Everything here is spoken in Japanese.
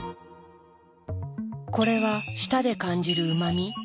これは舌で感じるうま味？